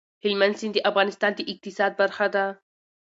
هلمند سیند د افغانستان د اقتصاد برخه ده.